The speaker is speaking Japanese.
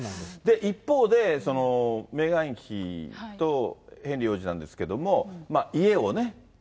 一方で、メーガン妃とヘンリー王子なんですけれども、家を。